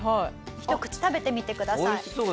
一口食べてみてください。